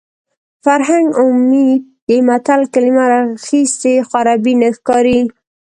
فرهنګ عمید د متل کلمه راخیستې خو عربي نه ښکاري